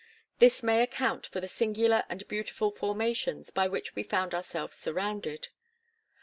This may account for the singular and beautiful formations by which we found ourselves surrounded.